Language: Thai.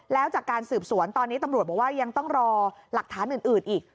แล้วจากการสืบสวนตอนนี้ตำรวจบอกว่ายังต้องรอหลักฐานอื่นอีก